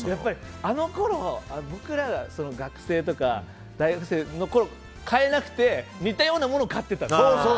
あのころ僕が学生とか大学生のころに買えなくて似たようなものを買ってた。